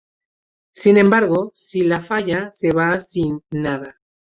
Sin embargo, si la falla, se va sin nada.